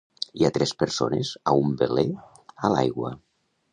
Hi ha tres persones a un veler a l"aigua.